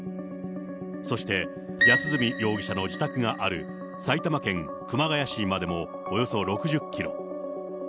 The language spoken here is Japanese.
そして安栖容疑者の自宅がある埼玉県熊谷市までもおよそ６０キロ。